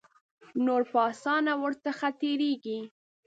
نور په آسانه ور څخه تیریږي.